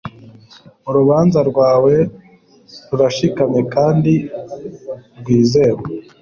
Urubanza rwawe rurashikamye kandi rwizewe